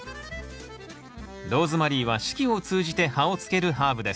ローズマリーは四季を通じて葉をつけるハーブです。